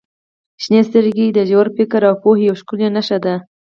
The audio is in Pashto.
• شنې سترګې د ژور فکر او پوهې یوه ښکلې نښه دي.